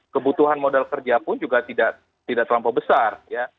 kebutuhan modal kerja pun juga tidak terlampau besar ya